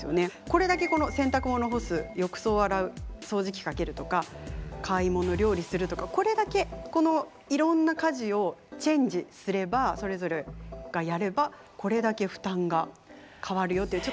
これだけこの洗濯物干す浴槽を洗う掃除機かけるとか買い物料理するとかこれだけこのいろんな家事をチェンジすればそれぞれがやればこれだけ負担が変わるよという。